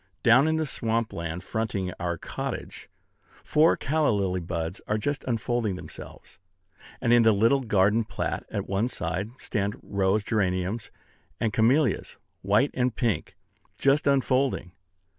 Down in the swamp land fronting our cottage, four calla lily buds are just unfolding themselves; and in the little garden plat at one side stand rose geraniums and camellias, white and pink, just unfolding.